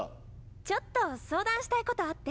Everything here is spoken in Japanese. ちょっと相談したいことあって。